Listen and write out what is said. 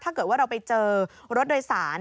ถ้าเกิดว่าเราไปเจอรถโดยสาร